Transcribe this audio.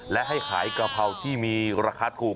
และให้ขายกะเพราที่มีราคาถูก